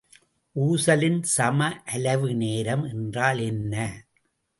ஊசலின் சம அலைவு நேரம் என்றால் என்ன?